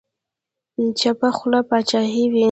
چپه خوله باچاهي وي.